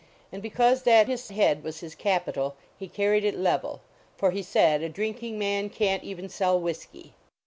And because that his head was his capital he carried it level, for he said, "A drinking man can t even sell whisky."